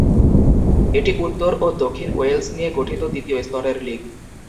এটি উত্তর ও দক্ষিণ ওয়েলস নিয়ে গঠিত দ্বিতীয় স্তরের লীগ।